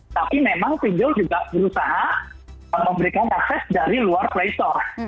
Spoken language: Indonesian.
tapi memang pinjol juga berusaha memberikan akses dari luar play store